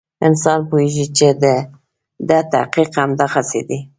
انسان پوهېږي چې د ده تخلیق همدغسې دی.